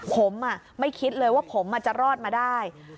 ผมไม่คิดเลยว่าผมจะรอดมาได้